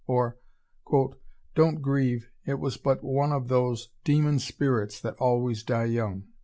Or, "Don't grieve, it was but one of those demon spirits that always die young."...